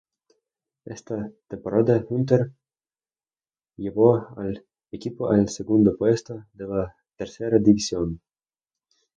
Esa temporada, Hunter llevó al equipo al segundo puesto de la Tercera División.